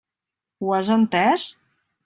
Ho has entès?